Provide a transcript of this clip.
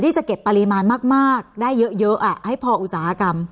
ที่จะเก็บปริมาณมากมากได้เยอะเยอะอ่ะให้พออุตสาหกรรม